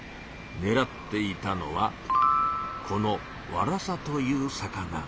ねらっていたのはこのワラサという魚。